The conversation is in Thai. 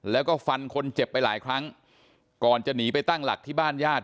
แล้วก็ฟันคนเจ็บไปหลายครั้งก่อนจะหนีไปตั้งหลักที่บ้านญาติ